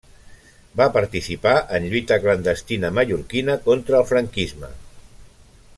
Va participar en lluita clandestina mallorquina contra el franquisme.